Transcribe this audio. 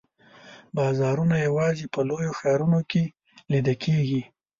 بازارونه یوازي په لویو ښارونو کې لیده کیږي.